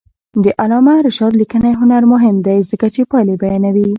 د علامه رشاد لیکنی هنر مهم دی ځکه چې پایلې بیانوي.